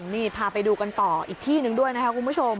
นี่พาไปดูกันต่ออีกที่หนึ่งด้วยนะครับคุณผู้ชม